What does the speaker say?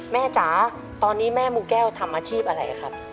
จ๋าตอนนี้แม่มูแก้วทำอาชีพอะไรครับ